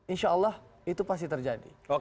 insya allah itu pasti terjadi